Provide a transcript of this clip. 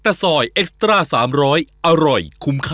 คือผู้หญิงเรามีเสน่ห์อยู่กับทุกคน